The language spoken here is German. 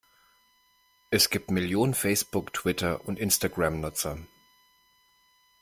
Es gibt Millionen Facebook-, Twitter- und Instagram-Nutzer.